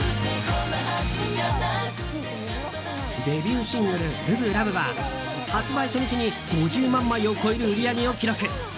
デビューシングル「初心ＬＯＶＥ」は発売初日に２０万枚を超える売り上げを記録。